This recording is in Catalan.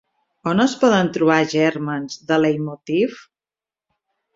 On es poden trobar gèrmens de leitmotiv?